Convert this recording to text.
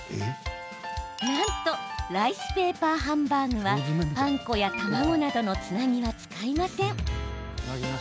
なんとライスペーパーハンバーグはパン粉や卵などのつなぎは使いません。